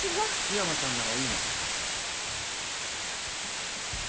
緋山さんならいいの？